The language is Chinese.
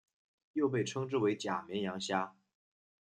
又被称之为假绵羊虾。